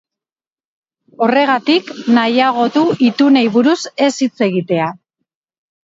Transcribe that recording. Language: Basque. Horregatik, nahiago du itunei buruz ez hitz egitea.